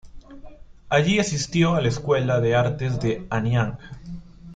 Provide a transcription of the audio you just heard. Allí asistió a la escuela de Artes de Anyang.